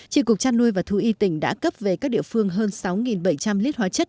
chỉ cuộc trăn nuôi và thu y tỉnh đã cấp về các địa phương hơn sáu bảy trăm linh lít hóa chất